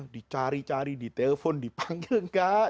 dicari cari di telpon dipanggil enggak